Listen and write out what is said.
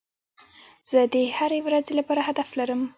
زه د هري ورځي لپاره هدف لرم.